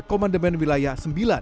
komandemen wilayah sembilan